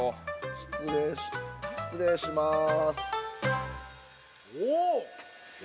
失礼します。